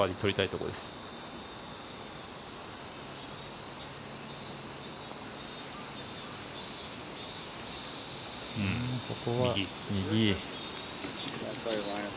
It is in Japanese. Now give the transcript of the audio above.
ここは右。